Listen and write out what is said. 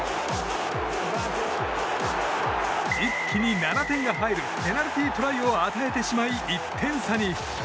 一気に７点が入るペナルティートライを与えてしまい、１点差に。